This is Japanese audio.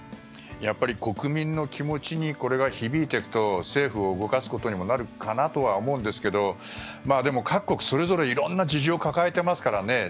やっぱり、国民の気持ちにこれが響いていくと政府を動かすことにもなると思うんですがでも各国それぞれいろんな事情を抱えてますからね。